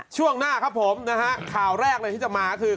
ช่วงหน้าครับข่าวแรกที่จะมาคือ